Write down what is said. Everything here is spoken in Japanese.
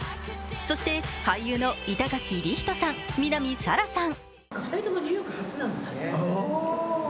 そして、俳優の板垣李光人さん南沙良さん。